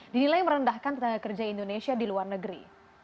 dinilai merendahkan tenaga kerja indonesia di luar negeri